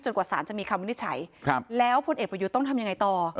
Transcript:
กว่าสารจะมีคำวินิจฉัยแล้วพลเอกประยุทธ์ต้องทำยังไงต่อ